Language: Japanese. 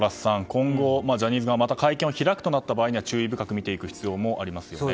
今後、ジャニーズ側がまた会見を開くことになったら注意深く見ていく必要もありますね。